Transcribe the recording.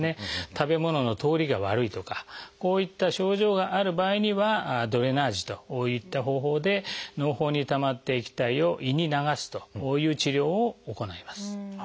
食べ物の通りが悪いとかこういった症状がある場合にはドレナージといった方法でのう胞にたまった液体を胃に流すという治療を行います。